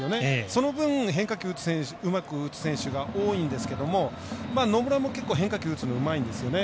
その分、変化球をうまく打つ選手多いんですけども野村も結構変化球打つの、うまいんですよね。